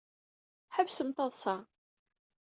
Ḥebsem taḍsa.